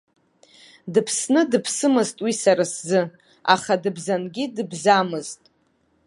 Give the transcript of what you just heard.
Дыԥсны дыԥсымызт уи сара сзы, аха дыбзангьы дыбзамызт.